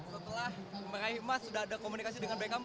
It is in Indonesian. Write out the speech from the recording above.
setelah menarik emas sudah ada komunikasi dengan bekam